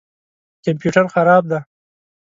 کمپیوټر خراب دی